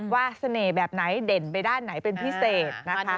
เสน่ห์แบบไหนเด่นไปด้านไหนเป็นพิเศษนะคะ